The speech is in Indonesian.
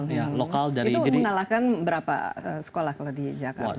itu mengalahkan berapa sekolah kalau di jakarta